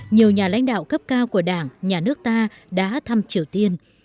nhiều nhà lãnh đạo cấp cao của đảng nhà nước ta đã thăm triều tiên